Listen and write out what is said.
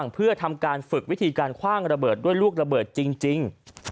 เพื่อทำการฝึกวิธีการคว่างระเบิดด้วยลูกระเบิดจริง